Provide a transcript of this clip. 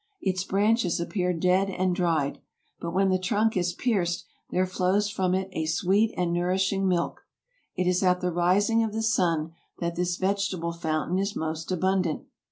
Its branches appear dead and dried; but when the trunk is pierced there flows from it a sweet and nourishing milk. It is at the rising of the sun that this vegetable fountain is most abundant.